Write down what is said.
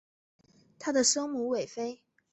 她的生母韦妃。